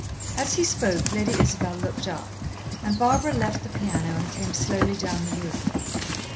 As he spoke Lady Isabel looked up, and Barbara left the piano and came slowly down the room.